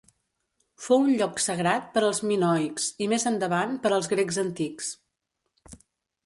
Fou un lloc sagrat per als minoics i, més endavant, per als grecs antics.